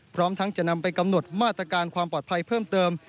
พร้อมทั้งจะนำไปกำหนดมาตรการความปลอดภัยเพิ่มเติม